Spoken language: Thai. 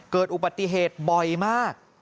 เกิดอุบัติเหตุบ่อยมาก